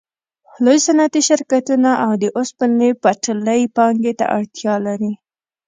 لوی صنعتي شرکتونه او د اوسپنې پټلۍ پانګې ته اړتیا لري